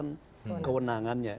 dan tidak menyalahgunakan kewenangannya